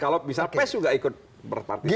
kalau bisa pes juga ikut berpartisipa